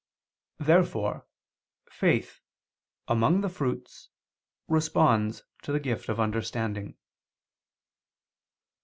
Therefore faith, among the fruits, responds to the gift of understanding.